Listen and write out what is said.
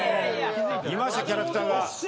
いましたキャラクターが。